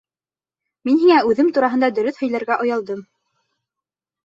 Мин һиңә үҙем тураһында дөрөҫ һөйләргә оялдым.